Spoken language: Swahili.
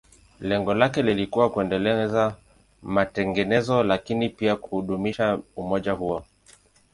Lengo lake lilikuwa kuendeleza matengenezo, lakini pia kudumisha umoja huo.